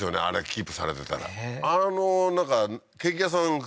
あれキープされてたらあのなんかケーキ屋さん